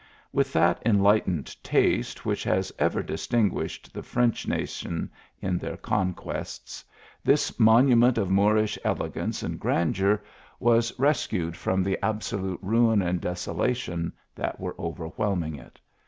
With that enlightened taste which has ever distinguished the French nation in their conquests, this monument oi Moorish elegance and grandeur was rescued from the absolute ruin and desolation that were overwhelming it.